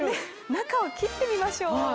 中を切ってみましょう。